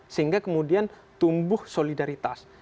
sehingga kemudian tumbuh solidaritas